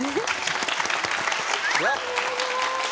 わっ！